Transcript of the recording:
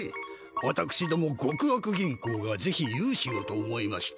わたくしどもごく悪銀行がぜひゆうしをと思いまして。